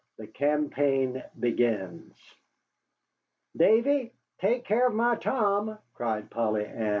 THE CAMPAIGN BEGINS "Davy, take care of my Tom," cried Polly Ann.